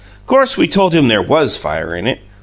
Course we told him there was fire in it.